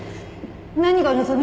何がお望み？